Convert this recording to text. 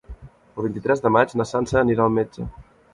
El vint-i-tres de maig na Sança anirà al metge.